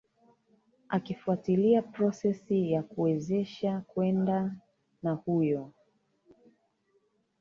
akifuatilia process ya yakuweza kwenda na na huyo